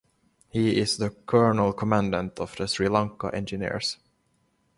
He is the Colonel Commandant of the Sri Lanka Engineers.